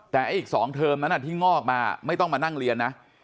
แต่อีก๒เทอมนั้นที่งอกมาไม่ต้องมานั่งเรียนนะ